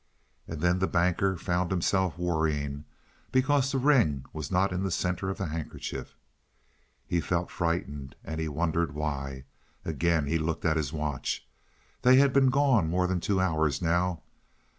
And then the Banker found himself worrying because the ring was not in the center of the handkerchief. He felt frightened, and he wondered why. Again he looked at his watch. They had been gone more than two hours now.